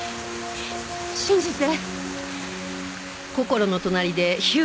信じて。